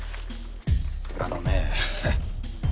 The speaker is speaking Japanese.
あのね。